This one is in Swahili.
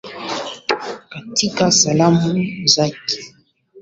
katika salamu zake za raisi wake wa urusi dmitry medeveev